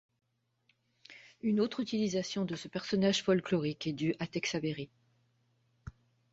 Une autre utilisation de ce personnage folklorique est due à Tex Avery.